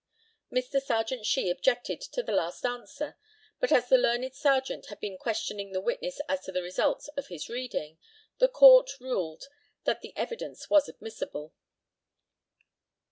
Mr. Serjeant SHEE objected to this last answer, but as the learned Serjeant had been questioning the witness as to the results of his reading, The COURT ruled that the evidence was admissible.